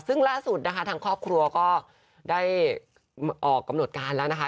ซึ่งล่าสุดนะคะทางครอบครัวก็ได้ออกกำหนดการแล้วนะคะ